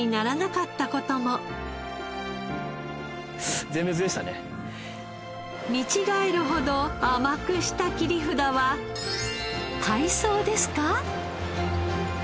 失敗して見違えるほど甘くした切り札は海藻ですか？